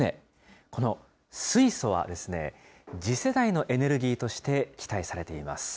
この水素はですね、次世代のエネルギーとして期待されています。